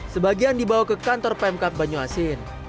sebagian dibawa ke kantor pemkat banyu asin